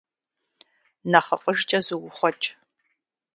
Нэхъыфӏыжкӏэ зуухъуэкӏ.